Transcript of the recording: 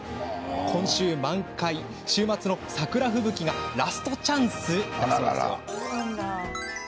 今週満開、週末の桜吹雪がラストチャンスだそうです。